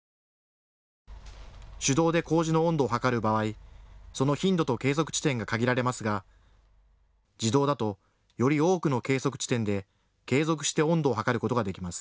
手動でこうじの温度を測る場合、その頻度と計測地点が限られますが、自動だとより多くの計測地点で継続して温度を測ることができます。